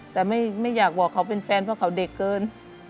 แต่ไม่อยากบอกเขาเป็นแฟนเพราะเขาเด็กเกิน